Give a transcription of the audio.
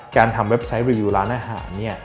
การทำเว็บไซต์รีวิวร้านอาหารเนี่ย